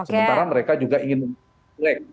sementara mereka juga ingin mengecek